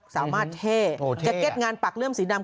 สามารถเท่แกเก็ตงานปักเลื่อมสีดำ